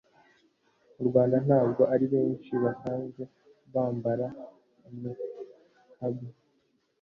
mu Rwanda ntabwo ari benshi basanzwe bambara Niqab